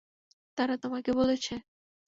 তারা তোমাকে বলেছে?